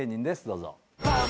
どうぞ。